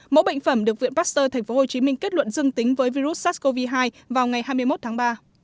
mẫu bệnh phẩm được viện pasteur tp hcm kết luận dương tính với virus sars cov hai vào ngày hai mươi một tháng ba